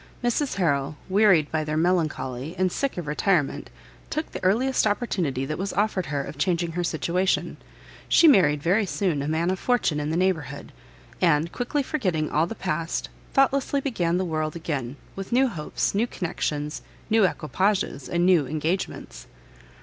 Mrs Harrel, wearied by their melancholy, and sick of retirement, took the earliest opportunity that was offered her of changing her situation; she married very soon a man of fortune in the neighbourhood, and, quickly forgetting all the past, thoughtlessly began the world again, with new hopes, new connections, new equipages and new engagements!